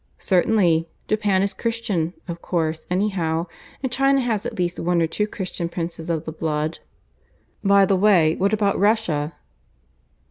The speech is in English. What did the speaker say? "Certainly. Japan is Christian of course, anyhow; and China has at least one or two Christian princes of the blood." "By the way, what about Russia?"